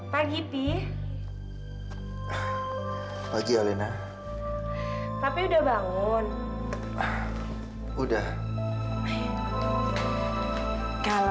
ya pak serahkan aku bang itamal